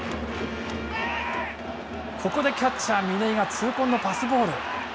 ここでキャッチャー嶺井が痛恨のパスボール。